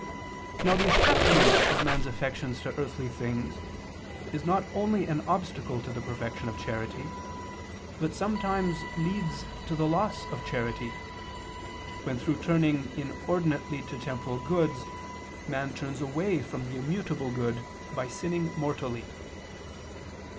Now the attachment of man's affections to earthly things is not only an obstacle to the perfection of charity, but sometimes leads to the loss of charity, when through turning inordinately to temporal goods man turns away from the immutable good by sinning mortally.